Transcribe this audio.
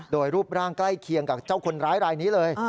โดยรูปร่างใกล้เคียงกับเจ้าคนร้ายรายนี้เลย